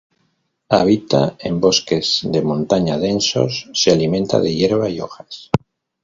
Habita en bosques de montaña densos, se alimenta de hierba y hojas.